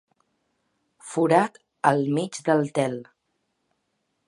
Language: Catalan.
Forat al mig del tel.